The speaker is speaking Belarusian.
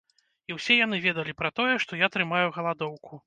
І ўсе яны ведалі пра тое, што я трымаю галадоўку.